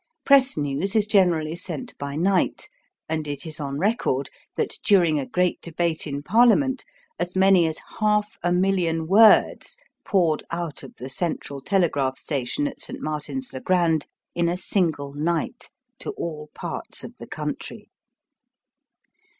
Press news is generally sent by night, and it is on record, that during a great debate in Parliament, as many as half a million words poured out of the Central Telegraph Station at St. Martin's le Grand in a single night to all parts of the country.